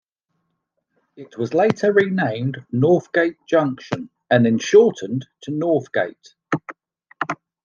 It was later renamed Northgate Junction and then shortened to Northgate.